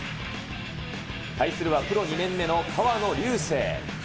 対するはプロ２年目の河野竜生。